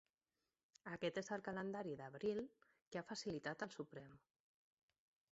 Aquest és el calendari de l’abril que ha facilitat el Suprem.